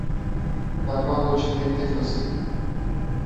Parlò dolcemente fra sè.